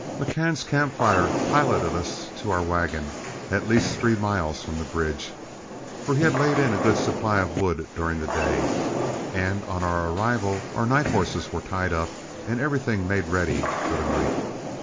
McCann's camp fire piloted us to our wagon, at least three miles from the bridge, for he had laid in a good supply of wood during the day; and on our arrival our night horses were tied up, and everything made ready for the night.